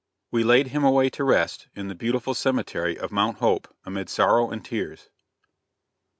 We laid him away to rest in the beautiful cemetery of Mount Hope amid sorrow and tears.